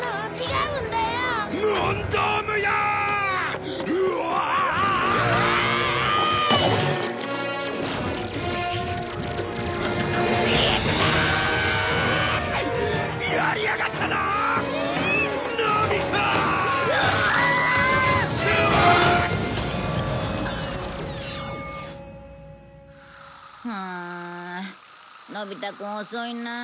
うんのび太くん遅いなあ。